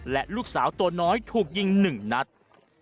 และลูกสาวตัวน้อยถูกยิง๑นัด